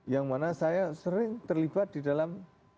yang mana saya sering terlibat di dalam